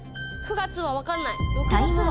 ９月は分かんない６月は？